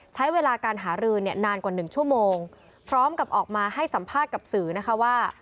ใช้เวลาการหารือเนี่ยนานกว่าหนึ่งชั่วโมงพร้อมกับออกมาให้สัมภาษณ์กับสื่อนะคะว่า